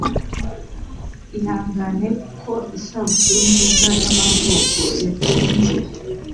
Ihangane ko isabukuru nziza y'amavuko yatinze